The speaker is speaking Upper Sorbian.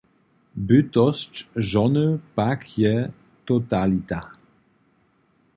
Bytosć žony pak je totalita.